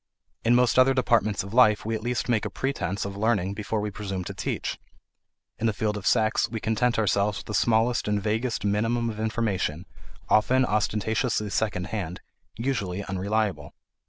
In most other departments of life we at least make a pretence of learning before we presume to teach; in the field of sex we content ourselves with the smallest and vaguest minimum of information, often ostentatiously second hand, usually unreliable.